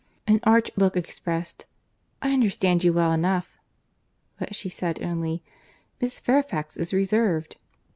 An arch look expressed—"I understand you well enough;" but she said only, "Miss Fairfax is reserved."